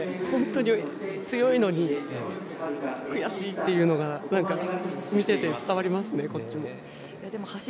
本当に強いのに悔しいっていうのがなんか見てて伝わりますねこっちも。